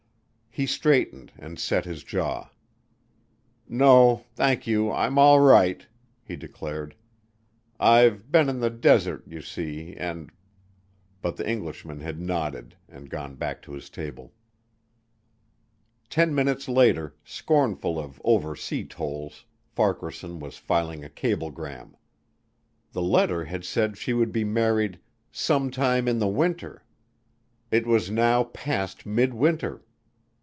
He straightened and set his jaw. "No, thank you. I'm all right," he declared. "I've been in the desert, you see, and " But the Englishman had nodded and gone back to his table. Ten minutes later, scornful of over sea tolls, Farquaharson was filing a cablegram. The letter had said she would be married "some time in the winter." It was now past mid winter.